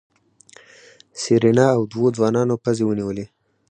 سېرېنا او دوو ځوانانو پزې ونيولې.